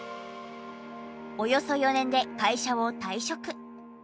およそ４年で会社を退職。